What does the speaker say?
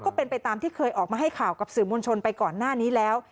ก็เป็นไปตามที่เคยออกมาให้ข่าวกับสื่อมวลชนไปก่อนหน้านี้แล้ว